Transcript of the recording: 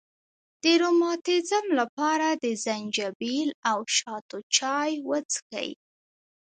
د روماتیزم لپاره د زنجبیل او شاتو چای وڅښئ